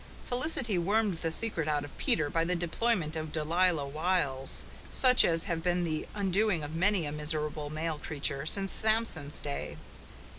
Felicity wormed the secret out of Peter by the employment of Delilah wiles, such as have been the undoing of many a miserable male creature since Samson's day.